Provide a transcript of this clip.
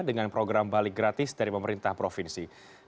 dengan program balik gratis dari pemerintah provinsi